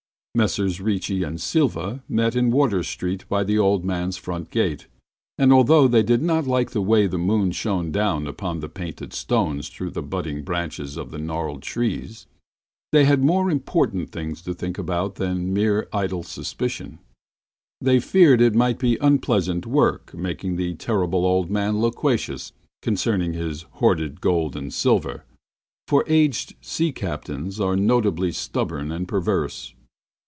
Messrs. Ricci and Silva met in Water Street by the old man's front gate, and although they did not like the way the moon shone down upon the painted stones through the budding branches of the gnarled trees, they had more important things to think about than mere idle superstition. They feared it might be unpleasant work making the Terrible Old Man loquacious concerning his hoarded gold and silver, for aged sea captains are notably stubborn and perverse.